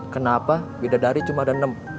kenapa beda dari cuma ada enam